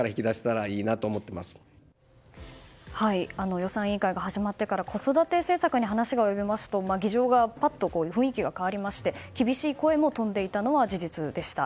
予算委員会が始まってから子育て政策に話が及びますと議場がパッと雰囲気が変わりまして厳しい声も飛んでいたのは事実でした。